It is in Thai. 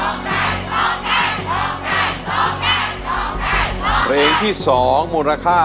โรงแก่โรงแก่โรงแก่โรงแก่